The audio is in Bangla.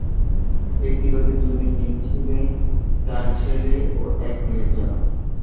ব্যক্তিগত জীবনে তিনি ছিলেন চার ছেলে ও এক মেয়ের জনক।